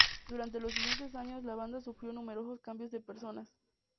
Durante los siguientes años la banda sufrió numerosos cambios de personal.